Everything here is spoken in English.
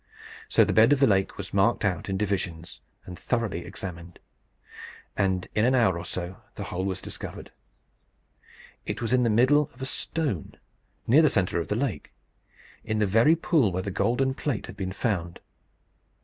So the bed of the lake was marked out in divisions and thoroughly examined, and in an hour or so the hole was discovered. It was in the middle of a stone, near the centre of the lake, in the very pool where the golden plate had been found.